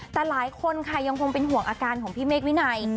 แต่หลายคนค่ะยังคงเป็นห่วงอาการของพี่เมฆวินัย